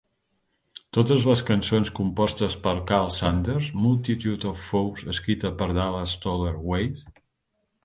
Totes les cançons compostes per Karl Sanders; "Multitude of Foes", escrita per Dallas Toler-Wade.